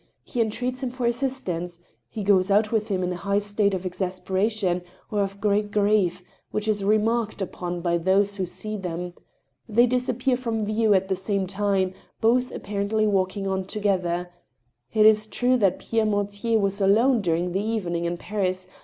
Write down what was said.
He entreats him for assistance ;... he goes out with him in a high state of exas peration, or of great grief, which is remarked upon by those who see them. They disappear from view at the same time, both appar ently walking on together. It is true that Pierre Mortier was alone during the evening in Paris